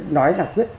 nói là quyết